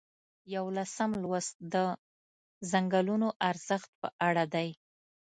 یوولسم لوست د څنګلونو ارزښت په اړه دی.